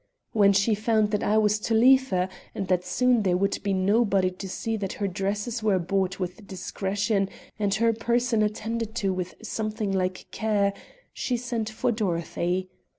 When she found that I was to leave her and that soon there would be nobody to see that her dresses were bought with discretion, and her person attended to with something like care, she sent for Dorothy.